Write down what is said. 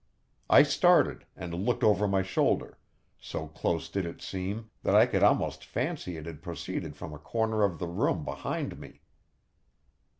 I started, and looked over my shoulder, so close did it seem, that I could almost fancy it had proceeded from a corner of the room behind me.